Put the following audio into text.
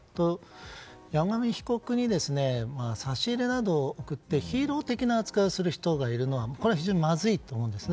山上被告に差し入れなどを送ってヒーロー的な扱いをする人がいるのは非常にまずいと思うんです。